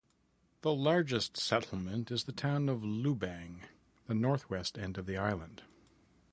The largest settlement is the town of Lubang, the northwest end of the island.